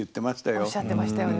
おっしゃってましたよね。